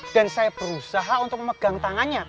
dan saya berusaha untuk memegang tangannya